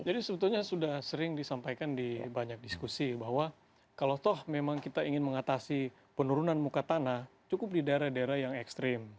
jadi sebetulnya sudah sering disampaikan di banyak diskusi bahwa kalau toh memang kita ingin mengatasi penurunan muka tanah cukup di daerah daerah yang ekstrim